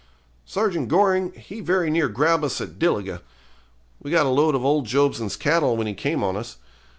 'Sergeant Goring, he very near grab us at Dilligah. We got a lot of old Jobson's cattle when he came on us.